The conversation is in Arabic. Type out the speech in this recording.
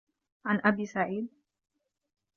عَنْ أَبِي سَعِيدٍ